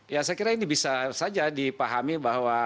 ya saya kira ini bisa saja dipahami bahwa